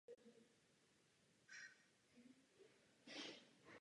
Na výstup na nutné si vzít sebou zásoby pitné vody.